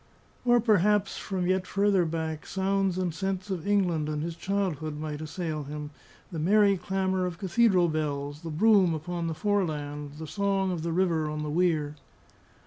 Or perhaps from yet further back, sounds and scents of England and his childhood might assail him: the merry clamour of cathedral bells, the broom upon the foreland, the song of the river on the weir.